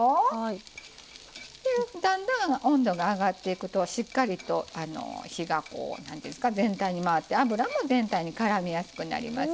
だんだん温度が上がっていくとしっかりと火が全体に回って油も全体にからみやすくなりますしね。